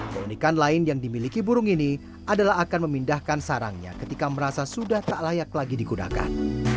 keunikan lain yang dimiliki burung ini adalah akan memindahkan sarangnya ketika merasa sudah tak layak lagi digunakan